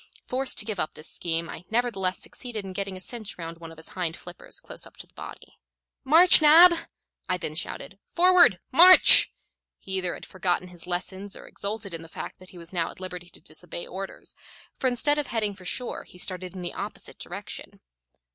Forced to give up this scheme, I nevertheless succeeded in getting a cinch round one of his hind flippers close up to the body. "March, Nab!" I then shouted. "Forward, march!" He either had forgotten his lessons or exulted in the fact that he was now at liberty to disobey orders, for instead of heading for shore, he started in the opposite direction.